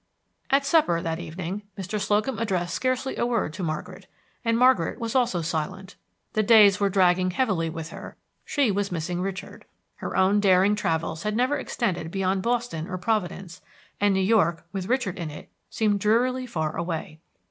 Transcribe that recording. At supper, that evening, Mr. Slocum addressed scarcely a word to Margaret, and Margaret was also silent. The days were dragging heavily with her; she was missing Richard. Her own daring travels had never extended beyond Boston or Providence; and New York, with Richard in it, seemed drearily far away.